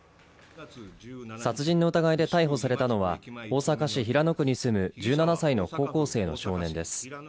殺人の疑いで逮捕されたのは大阪市平野区に住む１７歳の高校生の少年です。